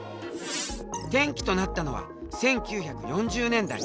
転機となったのは１９４０年代。